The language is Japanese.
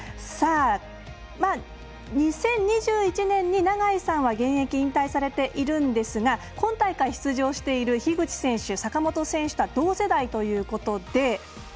２０２１年に永井さんは現役引退されているんですが今大会、出場している樋口選手、坂本選手とは同世代ということで。